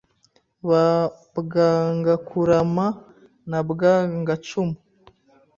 Ba Bwangakugarama na Bwangacumu